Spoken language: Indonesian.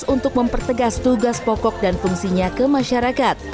untuk mempertegas tugas pokok dan fungsinya ke masyarakat